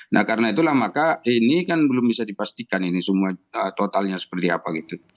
nah karena itulah maka ini kan belum bisa dipastikan ini semua totalnya seperti apa gitu